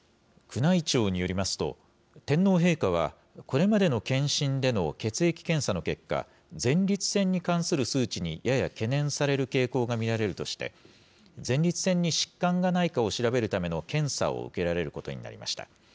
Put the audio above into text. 宮内庁によりますと、天皇陛下は、これまでの検診での血液検査の結果、前立腺に関する数値にやや懸念される傾向が見られるとして、前立腺に疾患がないかを調べるための検査を受けられることになりました。